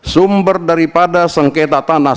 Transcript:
sumber daripada sengketa tanah